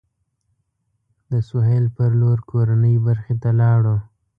د سهیل پر لور کورنۍ برخې ته لاړو.